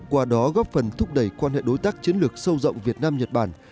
qua đó góp phần thúc đẩy quan hệ đối tác chiến lược sâu rộng việt nam nhật bản